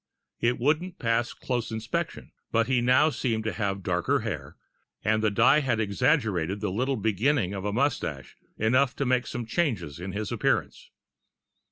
It wouldn't pass close inspection, but he now seemed to have darker hair, and the dye had exaggerated the little beginning of a mustache enough to make some change in his appearance.